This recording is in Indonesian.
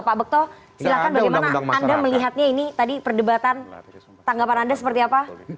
pak bekto silahkan bagaimana anda melihatnya ini tadi perdebatan tanggapan anda seperti apa